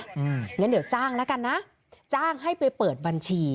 งั้นเดี๋ยวจ้างแล้วกันนะจ้างให้ไปเปิดบัญชี